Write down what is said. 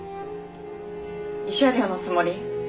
慰謝料のつもり？